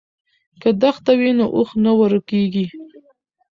که دښته وي نو اوښ نه ورکیږي.